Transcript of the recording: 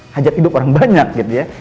hajat hidup orang banyak gitu ya